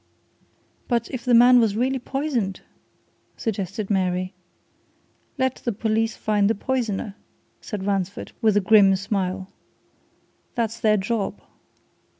"But if the man was really poisoned?" suggested Mary. "Let the police find the poisoner!" said Ransford, with a grim smile. "That's their job."